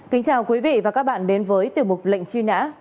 kính chào quý vị và các bạn đến với tiểu mục lệnh truy nã